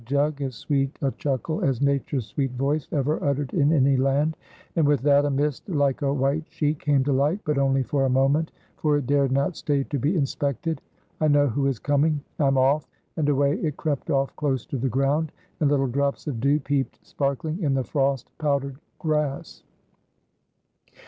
jug! as sweet a chuckle as Nature's sweet voice ever uttered in any land; and with that a mist like a white sheet came to light, but only for a moment, for it dared not stay to be inspected, "I know who is coming, I'm off," and away it crept off close to the ground and little drops of dew peeped sparkling in the frost powdered grass.